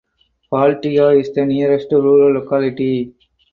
Baltika is the nearest rural locality.